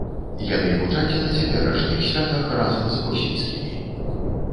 Яны гучаць і на цяперашніх святах разам з восеньскімі.